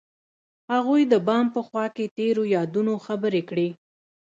هغوی د بام په خوا کې تیرو یادونو خبرې کړې.